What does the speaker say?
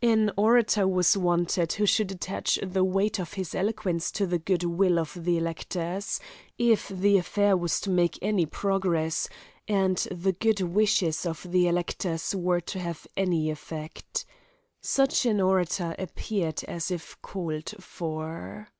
An orator was wanted who should attach the weight of his eloquence to the good will of the electors, if the affair was to make any progress, and the good wishes of the electors were to have any effect. Such an orator appeared as if called for.